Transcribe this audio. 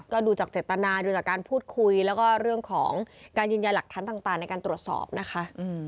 ก็ดูจากเจตนาดูจากการพูดคุยแล้วก็เรื่องของการยืนยันหลักฐานต่างในการตรวจสอบนะคะ